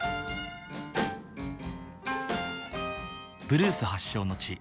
ブルース発祥の地